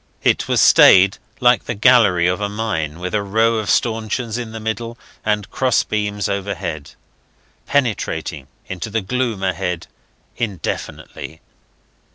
It was stayed like the gallery of a mine, with a row of stanchions in the middle, and cross beams overhead, penetrating into the gloom ahead indefinitely.